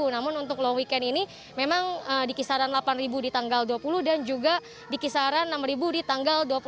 namun untuk long weekend ini memang di kisaran delapan di tanggal dua puluh dan juga di kisaran enam di tanggal dua puluh satu